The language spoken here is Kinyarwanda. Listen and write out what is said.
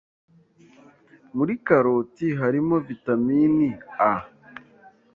muri karoti harimo vitamin A